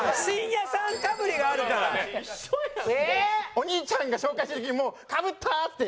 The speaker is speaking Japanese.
お兄ちゃんが紹介してる時にもうかぶった！って